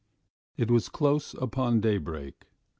It was close upon daybreak.